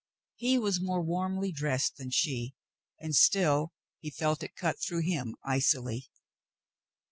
He was more warmly dressed than she, and still he felt it cut through him icily.